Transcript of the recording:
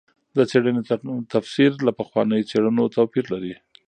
د څېړنې تفسیر له پخوانیو څېړنو توپیر لري.